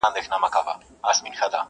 د سوځېدلو قلاګانو او ښارونو کوي٫